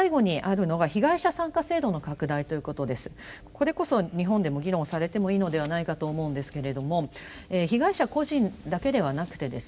これこそ日本でも議論されてもいいのではないかと思うんですけれども被害者個人だけではなくてですね